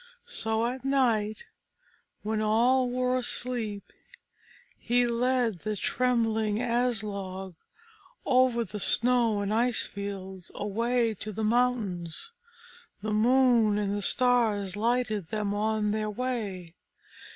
So at night, when all were asleep, he led the trembling Aslog over the snow and ice fields away to the mountains. The moon and the stars lighted them on their way.